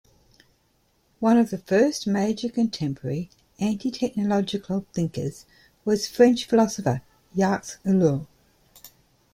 One of the first major contemporary anti-technological thinkers was French philosopher Jacques Ellul.